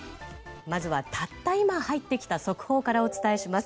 まずは、たった今入ってきた速報からお伝えします。